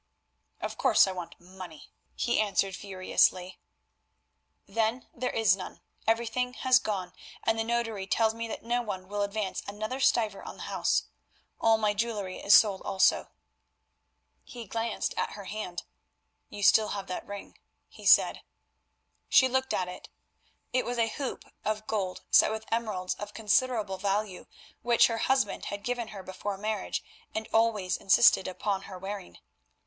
"Of course I want money," he answered furiously. "Then there is none; everything has gone, and the notary tells me that no one will advance another stiver on the house. All my jewellery is sold also." He glanced at her hand. "You have still that ring," he said. She looked at it. It was a hoop of gold set with emeralds of considerable value which her husband had given her before marriage and always insisted upon her wearing.